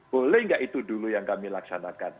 boleh nggak itu dulu yang kami laksanakan